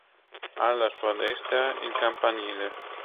Alla sua destra, il campanile.